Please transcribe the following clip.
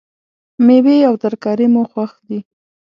میوې او ترکاری مو خوښ دي